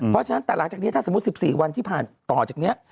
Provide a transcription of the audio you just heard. เพราะฉะนั้นแต่หลังจากนี้ถ้าสมมุติ๑๔วันที่ผ่านต่อจากนี้